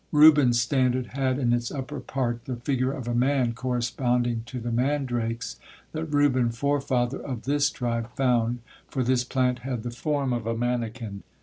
Reuben's standard had in its upper part the figure of a man, corresponding to the mandrakes that Reuben, forefather of this tribe, found, for this plant had the form of a manikin.